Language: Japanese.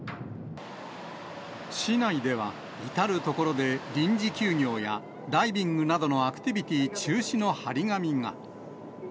市内では、至る所で臨時休業やダイビングなどのアクティビティー中止の貼り紙が。